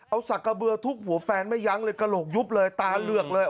เอาสักกระเบือทุบหัวแฟนไม่ยั้งเลยกระโหลกยุบเลยตาเหลือกเลย